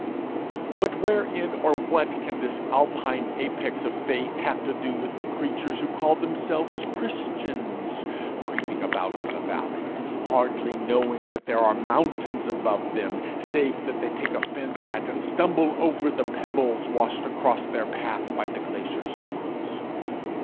But wherein or what can this Alpine apex of faith have to do with the creatures who call themselves Christians, creeping about in the valleys, hardly knowing that there are mountains above them, save that they take offence at and stumble over the pebbles washed across their path by the glacier streams?